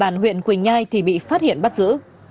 địa bàn huyện quỳnh nhai thì bị phát hiện bắt giữ